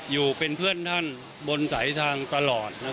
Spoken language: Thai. อยู่เป็นเพื่อนท่านบนสายทางตลอด